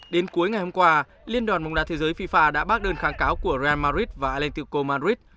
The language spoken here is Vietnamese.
đến cuối ngày hôm qua liên hồng đà thế giới fifa đã bác đơn kháng cáo của real madrid và atletico madrid